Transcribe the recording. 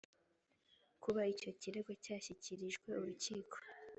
kuba icyo kirego cyashyikirijwe urukiko